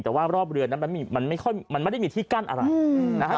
แต่ว่ารอบเรือนั้นมันไม่ได้มีที่กั้นอะไรนะฮะ